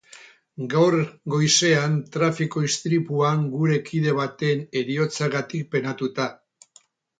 Gaur goizean trafiko istripuan gure kide baten heriotzagatik penatuta.